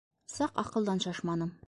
Саҡ аҡылдан шашманым.